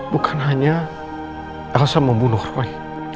bukan hanya elsa membunuh rohi